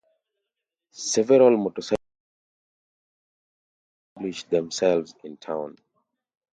Several motorcycle manufacturers also established themselves in town.